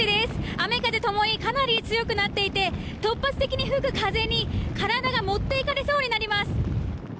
雨風ともにかなり強くなっていて、突発的に吹く風に体が持っていかれそうになります。